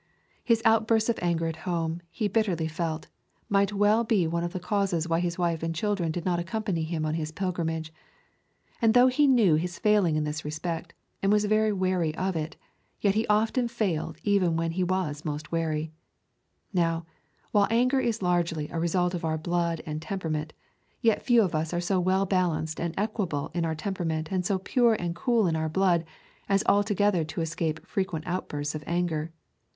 His outbursts of anger at home, he bitterly felt, might well be one of the causes why his wife and children did not accompany him on his pilgrimage. And though he knew his failing in this respect, and was very wary of it, yet he often failed even when he was most wary. Now, while anger is largely a result of our blood and temperament, yet few of us are so well balanced and equable in our temperament and so pure and cool in our blood, as altogether to escape frequent outbursts of anger.